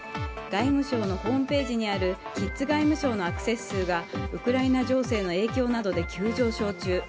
外務省のホームページにあるキッズ外務省のアクセス数がウクライナ情勢の影響などで急上昇中。